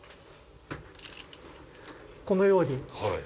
このように。